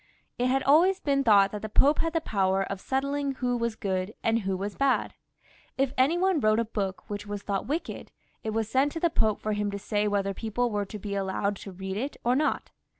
It had always been thought that the Pope had the power of settling who was good and who was bad. If any one wrote a book which was thought wicked, it was sent to the Pope for him to say whether people were to be allowed to read it or not.